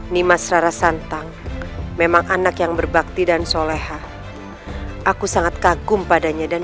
nimas rara santang memang anak yang berbakti dan soleha aku sangat kagum padanya dan